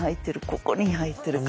ここに入ってる。